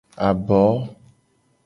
Abo.